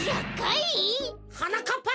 はなかっぱ！